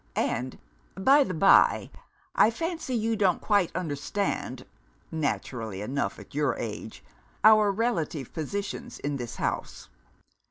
And, by the bye, I fancy you don't quite understand (naturally enough, at your age) our relative positions in this house.